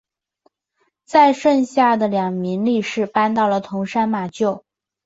其剩下的两名力士搬到了桐山马厩。